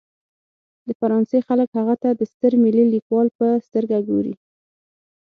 د فرانسې خلک هغه ته د ستر ملي لیکوال په سترګه ګوري.